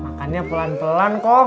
makannya pelan pelan kong